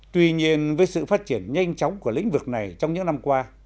tuy nhiên với sự phát triển nhanh chóng của lĩnh vực này trong những năm qua